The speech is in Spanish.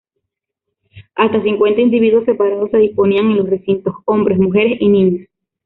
Hasta cincuenta individuos separados se disponían en los recintos: hombres, mujeres y niños.